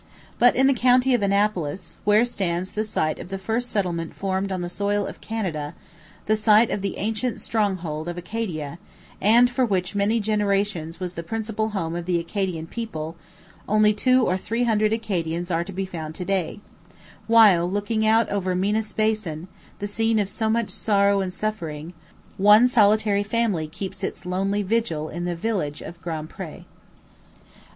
But in the county of Annapolis, where stands the site of the first settlement formed on the soil of Canada the site of the ancient stronghold of Acadia and which for many generations was the principal home of the Acadian people, only two or three hundred Acadians are to be found to day; while, looking out over Minas Basin, the scene of so much sorrow and suffering, one solitary family keeps its lonely vigil in the village of Grand Pre.